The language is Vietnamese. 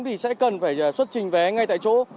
thì sẽ cần phải xuất trình vé ngay tại chỗ